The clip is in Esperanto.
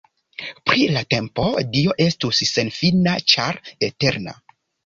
Pri la tempo, Dio estus senfina ĉar eterna.